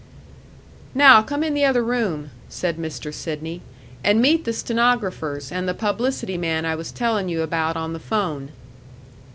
"Now come in the other room," said Mr. Sidney, "and meet the stenographers and the publicity man I was telling you about on the 'phone."